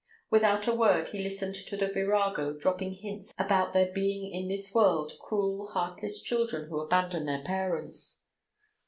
Without a word he listened to the virago dropping hints about there being in this world cruel, heartless children who abandon their parents.